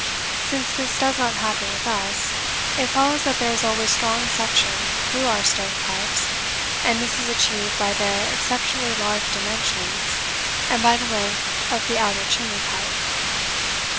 Since this does not happen with us it follows that there is always strong suction through our stovepipes, and this is achieved by their exceptionally large dimensions and by the length of the outer chimney pipe.